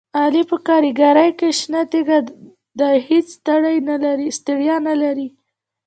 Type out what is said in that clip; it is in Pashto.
علي په کارګرۍ کې شنه تیږه دی، هېڅ ستړیې نه لري.